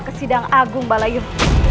ke sidang agung balayur